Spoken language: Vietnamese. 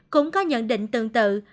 cũng có nhận định tương tự